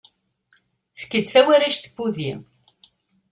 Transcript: Efk-d tawarect n wudi.